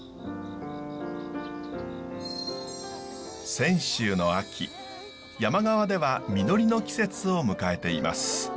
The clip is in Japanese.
泉州の秋山側では実りの季節を迎えています。